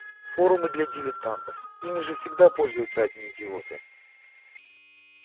Форумы для дилетантов. Ими же всегда пользуются одни идиоты!